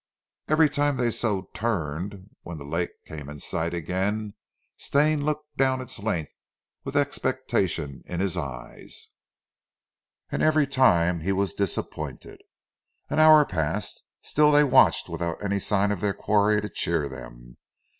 Every time they so turned, when the lake came in sight again, Stane looked down its length with expectation in his eyes, and every time he was disappointed. An hour passed and still they watched without any sign of their quarry to cheer them.